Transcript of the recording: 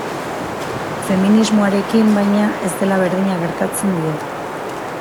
Feminismoarekin, baina, ez dela berdina gertatzen dio.